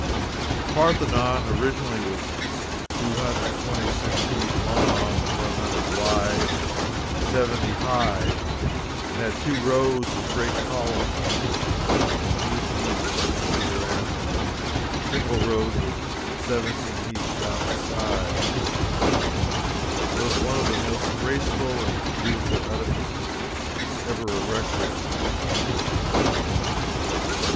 The Parthenon, originally, was two hundred and twenty six feet long, one hundred wide, and seventy high, and had two rows of great columns, eight in each, at either end, and single rows of seventeen each down the sides, and was one of the most graceful and beautiful edifices ever erected.